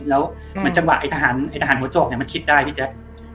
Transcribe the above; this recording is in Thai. แล้วจังหวะไอทหารไอทหารหัวโจกเนี่ยมันคิดได้พี่แจ๊ะ